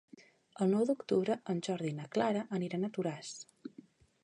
El nou d'octubre en Jordi i na Clara aniran a Toràs.